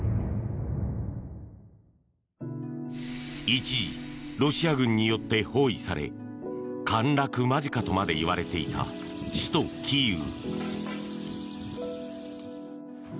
一時、ロシア軍によって包囲され陥落間近とまでいわれていた首都キーウ。